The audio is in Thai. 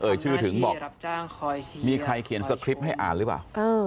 ชื่อถึงบอกมีใครเขียนสคริปต์ให้อ่านหรือเปล่า